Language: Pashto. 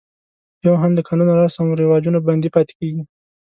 یو هم د قانون او رسم و رواجونو بندي پاتې کېږي.